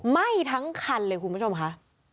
ไหม้ทั้งคันเลยคุณผู้ชมค่ะ